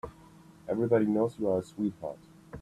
Everybody knows you're a sweetheart.